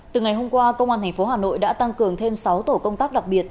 từ ngày hôm qua công an tp hà nội đã tăng cường thêm sáu tổ công tác đặc biệt